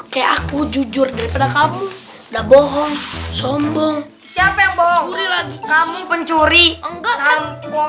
oke aku jujur daripada kamu udah bohong sombong siapa yang bohong kamu pencuri enggan